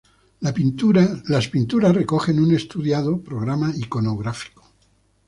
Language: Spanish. Las pinturas recogen un estudiado programa iconográfico.